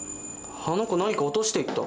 あの子何か落としていった。